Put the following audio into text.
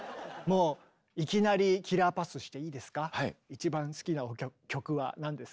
一番好きな曲は何ですか？